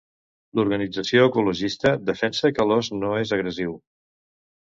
L'organització ecologista defensa que l'os no és agressiu.